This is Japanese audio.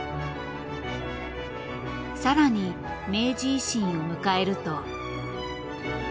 更に明治維新を迎えると。